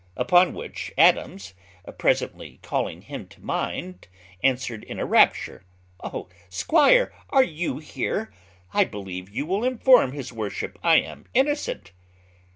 Upon which Adams, presently calling him to mind, answered in a rapture, "O squire! are you there? I believe you will inform his worship I am innocent."